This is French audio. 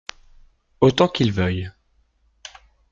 Autant qu’il veuille.